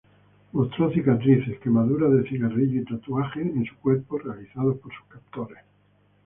Mostró cicatrices, quemaduras de cigarrillos y tatuajes en su cuerpo realizados por sus captores.